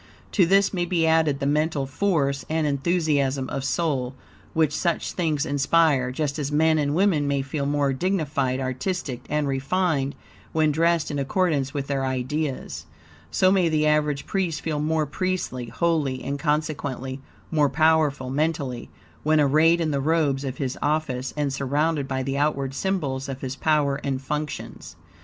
To this may be added the mental force and enthusiasm of soul which such things inspire, just as men and women may feel more dignified, artistic, and refined, when dressed in accordance with their ideas. So may the average priest feel more priestly, holy; and consequently, more powerful mentally; when arrayed in the robes of his office and surrounded by the outward symbols of his power and functions.